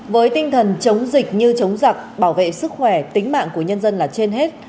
với tinh thần chống dịch như chống giặc bảo vệ sức khỏe tính mạng của nhân dân là trên hết